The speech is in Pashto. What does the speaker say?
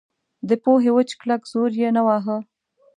د پوهې وچ کلک زور یې نه واهه.